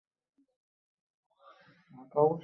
আমি রাগারাগি করছি নে, আমার যা কর্তব্য তা আমাকে করতেই হবে।